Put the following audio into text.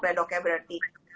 redox nya berarti